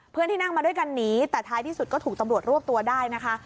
เพื่อนที่นั่งมาด้วยกันหนีแต่ท้ายที่สุดก็ถูกตำรวจรวบตัวได้นะคะ